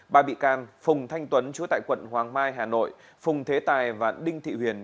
ba bị can phùng thanh tuấn chú tại quận hoàng mai hà nội phùng thế tài và đinh thị huyền